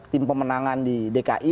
tim pemenangan di dki